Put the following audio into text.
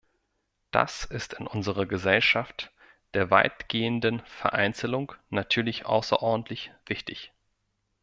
Das ist in unserer Gesellschaft der weitgehenden Vereinzelung natürlich außerordentlich wichtig.